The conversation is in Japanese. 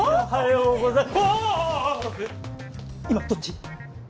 今どっち？